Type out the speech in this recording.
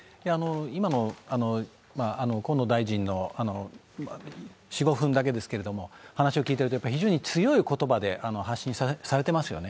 今の河野大臣の４５分だけですけれども話を聞いてると非常に強い言葉で発信されていますよね。